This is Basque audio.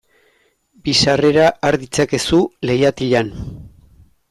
Bi sarrera har ditzakezu leihatilan.